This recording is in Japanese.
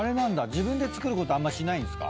自分で作ることあんましないんですか？